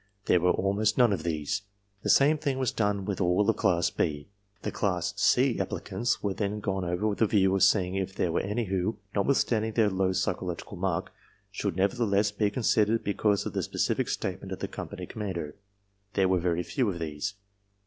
There were almost none of these. The same thing was done with all of Class B. The Class C applicants were then gone over with a view of seeing if there were any who, notwithstanding their low psychological mark, should nevertheless be considered be cause of the specific statement of the company commander. There were very few of these.